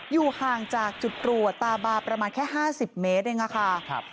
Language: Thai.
อยู่ห่างจากจุดตรวจตาบาลประมาณแค่ห้าสิบเมตรเองอ่ะค่ะครับ